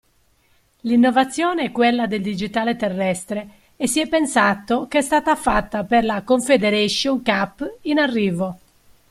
L' innovazione è quella del digitale terrestre e si è pensato che è stata fatta per la Confederation Cup in arrivo.